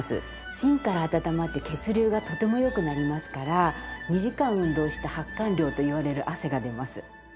芯から温まって血流がとても良くなりますから２時間運動した発汗量といわれる汗が出ます。